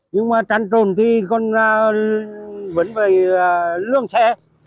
nhưng mà trăn trồn thì còn vẫn về lương xe